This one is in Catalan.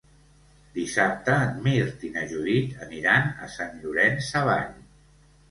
Dissabte en Mirt i na Judit aniran a Sant Llorenç Savall.